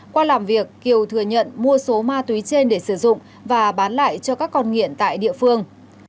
qua làm việc kiều thừa nhận mua số ma túy trên để sử dụng và bán lại cho các con nghiện tại địa phương